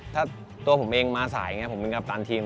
ถ้าตัวผมเองมาสายอย่างนี้ผมเป็นกัปตันทีม